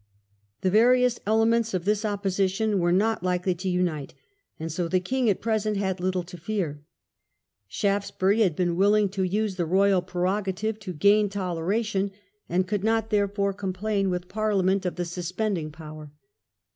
The various elements of this opposition were not likely to unite, and so the king, at present, had little to fear. Shaftesbury had been willing to use the Royal Prerogative to gain Toleration, and could not therefore complain with Parliament of the Suspending power.